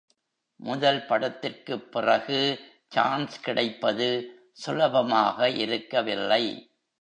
முதல் படத்திற்குப் பிறகு சான்ஸ் கிடைப்பது சுலபமாக இருக்கவில்லை.